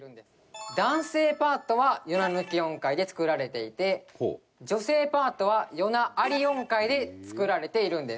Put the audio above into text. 男性パートはヨナ抜き音階で作られていて女性パートはヨナあり音階で作られているんです。